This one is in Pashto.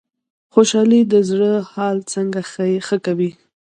خوشحالي د زړه حال څنګه ښه کوي؟